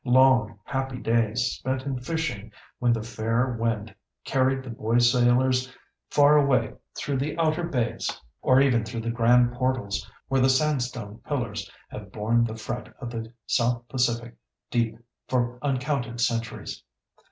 Long, happy days spent in fishing when the fair wind carried the boy sailors far away through the outer bays or even through the grand portals where the sandstone pillars have borne the fret of the South Pacific deep for uncounted centuries.